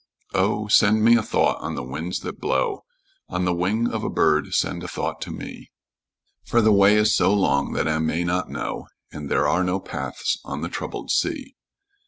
"Oh, send me a thought on the winds that blow. On the wing of a bird send a thought to me; For the way is so long that I may not know, And there are no paths on the troubled sea.